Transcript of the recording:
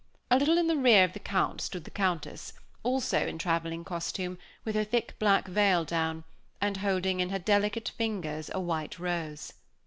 A little in the rear of the Count stood the Countess, also in traveling costume, with her thick black veil down, and holding in her delicate fingers a white rose.